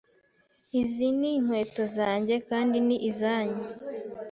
Izi ninkweto zanjye kandi ni izanyu.